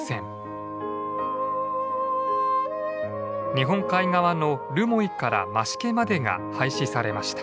日本海側の留萌から増毛までが廃止されました。